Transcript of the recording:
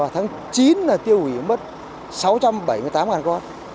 tháng chín tiêu hủy mất sáu trăm bảy mươi tám con